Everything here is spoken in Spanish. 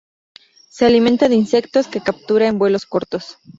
Se alimenta de insectos, que captura en vuelos cortos.